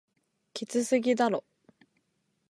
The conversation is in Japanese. きつすぎだろ